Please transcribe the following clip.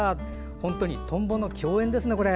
本当にトンボの共演ですね。